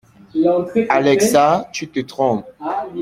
Alexa, tu te trompes.